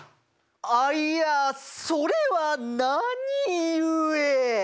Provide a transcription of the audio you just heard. あいやそれは何故？